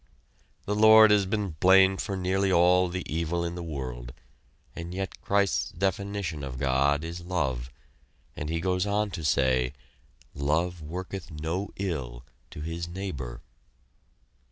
The Lord has been blamed for nearly all the evil in the world, and yet Christ's definition of God is love, and He goes on to say, "Love worketh no ill to his neighbor."